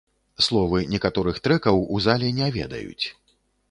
Словы некаторых трэкаў у зале не ведаюць.